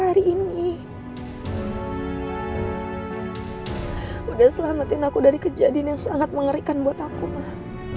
hari ini udah selamatin aku dari kejadian yang sangat mengerikan buat aku mah